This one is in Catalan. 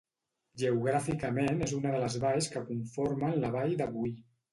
Geogràficament és una de les valls que conformen la Vall de Boí.